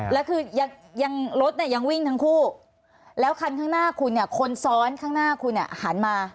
แล้วคือยังรถเนี่ยยังวิ่งทั้งคู่แล้วคันข้างหน้าคุณเนี่ยคนซ้อนข้างหน้าคุณเนี่ยหันมา